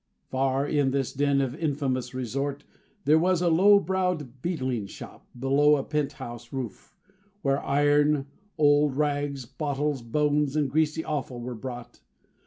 Far in this den of infamous resort, there was a low browed, beetling shop, below a pent house roof, where iron, old rags, bottles, bones, and greasy offal were bought.